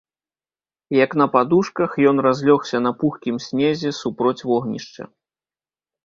Як на падушках, ён разлёгся па пухкім снезе супроць вогнішча.